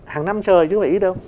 hàng năm trời chứ không phải ít đâu